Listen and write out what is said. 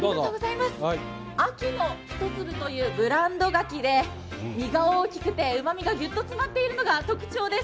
安芸の一粒というブランドがきで身が大きくて、うまみがギュッと詰まっているのが特徴です。